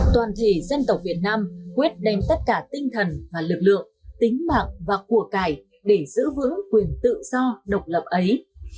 toàn thể dân tộc việt nam quyết đem tất cả tinh thần và lực lượng tính mạng và của cải để giữ vững quyền tự do độc lập ấy